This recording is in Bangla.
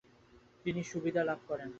তিনি সুবিধা লাভ করেন।